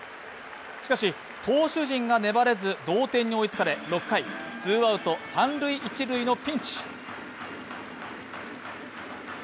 しかし、投手陣が粘れず同点に追いつかれ、６回、ツーアウト三・一塁のピンチ。